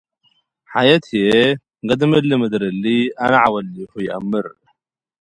ሐየት ሀዬ፤ “ገድም እሊ' ምድር እሊ' አነ ዐወሊ'ሁ ይአም'ር።